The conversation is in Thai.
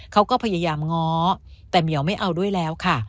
เขาก็พยายามง้อแต่เหมียวไม่เอาด้วยแล้วค่ะ